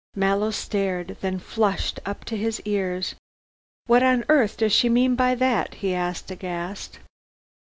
Mallow stared, then flushed up to his ears. "What on earth does she mean by that?" he asked aghast.